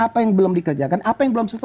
dan apa yang belum dikerjakan apa yang belum